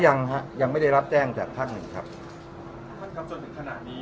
ยังฮะยังไม่ได้รับแจ้งจากท่านครับท่านครับจนถึงขณะนี้